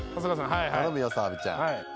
頼むよ澤部ちゃん。